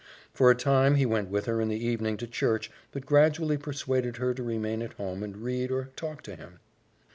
For a time he went with her in the evening to church, but gradually persuaded her to remain at home and read or talk to him.